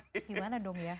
terus gimana dong ya